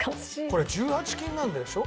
これ１８金なんでしょ？